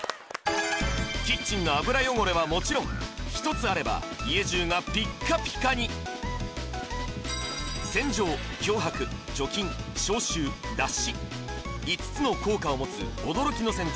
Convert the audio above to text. キッチンの油汚れはもちろん１つあれば家じゅうがピッカピカに洗浄漂白除菌消臭脱脂５つの効果を持つ驚きの洗剤